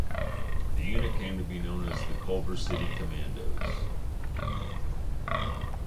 The unit came to be known as "The Culver City Commandos".